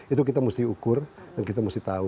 itu kita mesti ukur dan kita mesti tahu